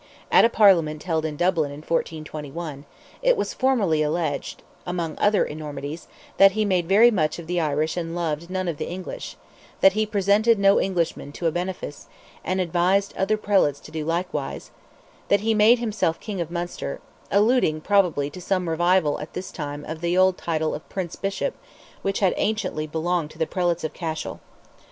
At a Parliament held in Dublin in 1421, it was formally alleged, among other enormities, that he made very much of the Irish and loved none of the English; that he presented no Englishman to a benefice, and advised other Prelates to do likewise; and that he made himself King of Munster—alluding, probably, to some revival at this time of the old title of Prince Bishop, which had anciently belonged to the Prelates of Cashel.